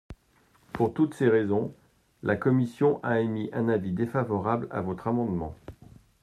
Pour toutes ces raisons, la commission a émis un avis défavorable à votre amendement.